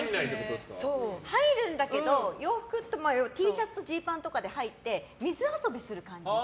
入るんですけど、洋服Ｔシャツとジーパンで入って水遊びする感じ。